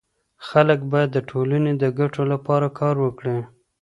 خلګ باید د ټولني د ګټو لپاره کار وکړي.